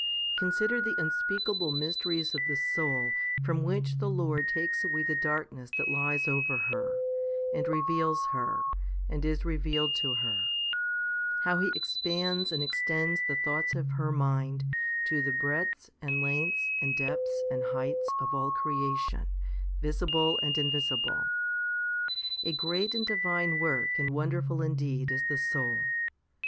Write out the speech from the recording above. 1 Consider the unspeakable mysteries of the soul from which the Lord takes away the darkness that lies over her, and reveals her, and is revealed to her ; how He expands and extends the thoughts of her mind to the breadths and lengths and depths and heights of all creation, visible and invisible. A great and divine work and wonderful indeed is the soul.